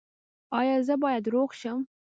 ایا زه باید روغ شم؟